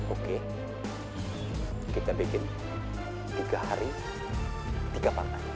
oke kita bikin tiga hari tiga partai